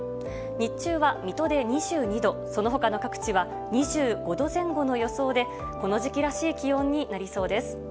日中は水戸で２２度その他の各地は２５度前後の予想でこの時期らしい気温になりそうです。